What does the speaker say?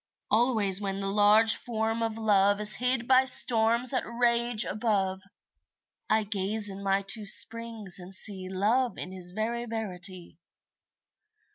Always when the large Form of Love Is hid by storms that rage above, I gaze in my two springs and see Love in his very verity.